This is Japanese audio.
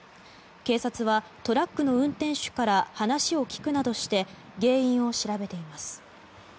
警察はトラックの運転手から話を聞くなどして原因を調べています。